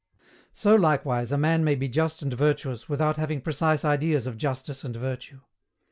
So likewise a man may be just and virtuous without having precise ideas of justice and virtue.